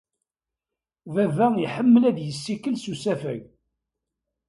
Baba iḥemmel ad yessikel s usafag.